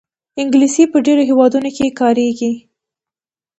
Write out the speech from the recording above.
انګلیسي په ډېرو هېوادونو کې کارېږي